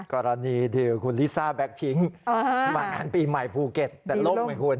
กรณีที่คนริซ่าแบกปิ้งมาปีใหม่ภูเกศต์แต่ล่มไหมคุณ